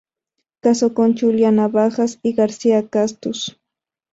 Casó con Julia Navajas y García-Castús.